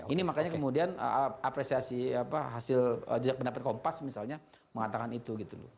ini makanya kemudian apresiasi hasil jejak pendapat kompas misalnya mengatakan itu gitu loh